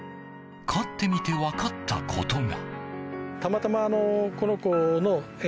飼ってみて分かったことが。